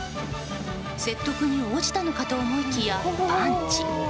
説得に応じたのかと思いきやパンチ。